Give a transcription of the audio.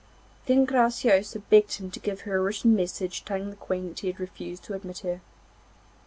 Then Graciosa begged him to give her a written message telling the Queen that he had refused to admit her.